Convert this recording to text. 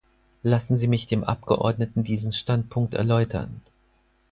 Lassen Sie mich dem Abgeordneten diesen Standpunkt erläutern.